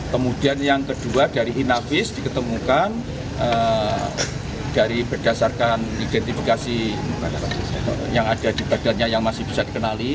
kemudian yang kedua dari inavis diketemukan dari berdasarkan identifikasi yang ada di badannya yang masih bisa dikenali